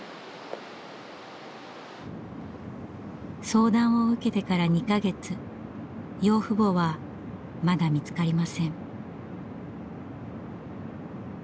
相談を受けてから２か月養父母はまだ見つかりません。